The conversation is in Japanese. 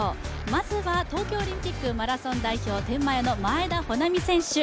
まずは、東京オリンピックマラソン代表、天満屋の前田穂南選手。